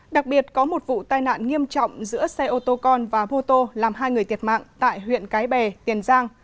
đặc biệt có một vụ tai nạn nghiêm trọng giữa xe ô tô con và bô tô làm hai người thiệt mạng tại huyện cái bè tiền giang